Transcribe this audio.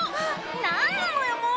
何なのよもう」